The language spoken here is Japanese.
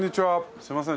すいません。